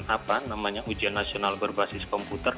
apa namanya ujian nasional berbasis komputer